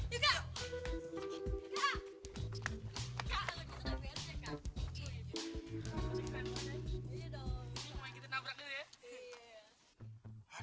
iya sin itu akut kita sin itu kematian mas sin